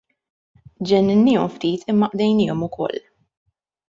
Ġenninniehom ftit imma qdejniehom ukoll.